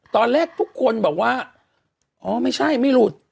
ตอนแรกทุกคนบอกว่าอ๋อไม่ใช่ไม่หลุด